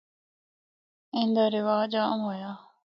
ان دا رواج عام ہویا۔